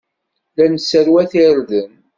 La nesserwat irden.